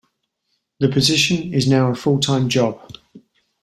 The position is now a full-time job.